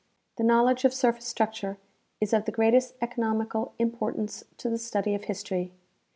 The knowledge of sur face structure is of the greatest economical importance to the study of history.